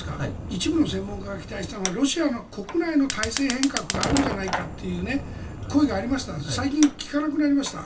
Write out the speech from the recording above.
一部の専門家が期待したのはロシアの国内の体制変革があるんじゃないかという声がありましたが最近聞かなくなりました。